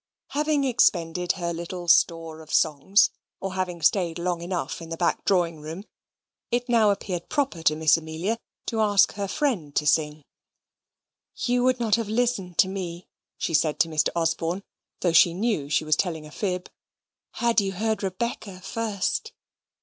Having expended her little store of songs, or having stayed long enough in the back drawing room, it now appeared proper to Miss Amelia to ask her friend to sing. "You would not have listened to me," she said to Mr. Osborne (though she knew she was telling a fib), "had you heard Rebecca first."